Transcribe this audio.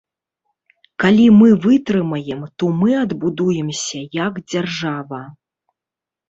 Калі мы вытрымаем, то мы адбудземся як дзяржава.